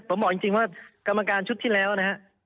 ผมบอกจริงว่ากรรมการชุดที่แล้วนะฮะ